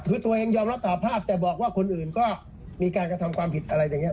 คือตัวเองยอมรับสาภาพแต่บอกว่าคนอื่นก็มีการกระทำความผิดอะไรอย่างนี้